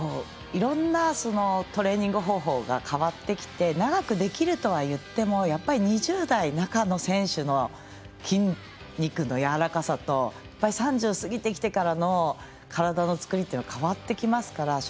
いろんなトレーニング方法が変わってきて長くできるといっても２０代半ばの選手の筋肉のやわらかさと３０過ぎてからの体のつくりっていうのは変わってきますから。